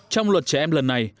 trong luật trẻ em lần này